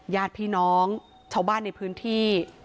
ญาติพี่น้องชาวบ้านในพื้นที่